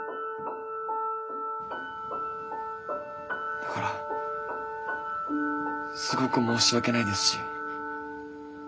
だからすごく申し訳ないですし気まずいです。